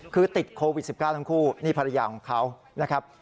คือติดโควิด๑๙ทั้งคู่นี่ภรรยาของเขานะครับ